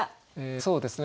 そうですね。